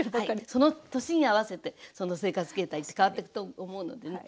その年に合わせてその生活形態って変わってくと思うのでね。